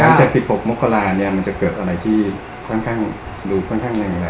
หลังจากสิบหกมกราเนี้ยมันจะเกิดอะไรที่ค่อนข้างดูค่อนข้างแรงแรงฮะ